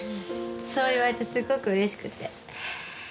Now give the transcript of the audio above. そう言われてすごくうれしくて。